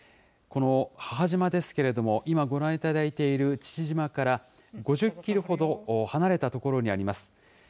この母島ですけれども、今、ご覧いただいている父島から５０キロほど離れた所にあります。